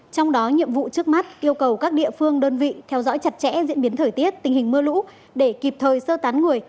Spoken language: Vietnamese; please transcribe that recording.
trong đó nhiệm vụ trước mắt yêu cầu các địa phương đơn vị theo dõi chặt chẽ diễn biến thời tiết tình hình mưa lũ để kịp thời sơ tán người